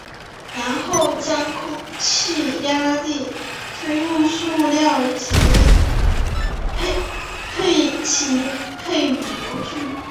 然后将空气压力推出塑料以匹配模具。